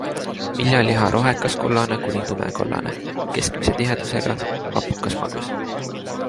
Viljaliha rohekaskollane kuni tumekollane, keskmise tihedusega, hapukasmagus.